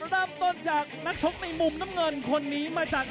ข้างด้านเพชรดำเพชรจินดาครับนายสุวัสดิ์ศรีพิมมาศครับ